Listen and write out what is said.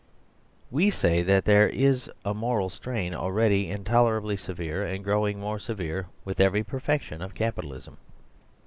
We say that there is a moral strain already in tolerably severe and growing more severe with every perfection of Capitalism.